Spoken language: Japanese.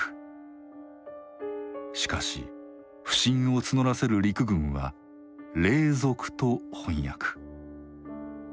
しかし不信を募らせる陸軍は「隷属」と翻訳。